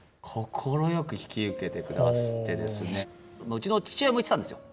うちの父親も言ってたんですよ